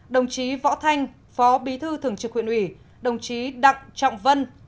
đồng chí võ thanh phó bí thư thường trực huyện ủy đồng chí đặng trọng vân